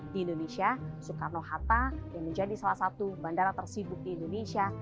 di indonesia soekarno hatta yang menjadi salah satu bandara tersibuk di indonesia